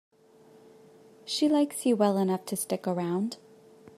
She likes you well enough to stick around.